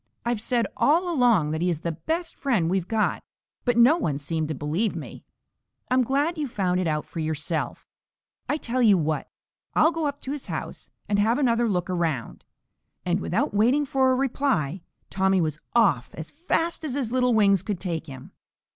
I've said all along that he is the best friend we've got, but no one seemed to believe me. I'm glad you've found it out for yourself. I tell you what, I'll go up to his house and have another look around." And without waiting for a reply, Tommy was off as fast as his little wings could take him.